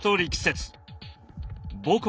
母国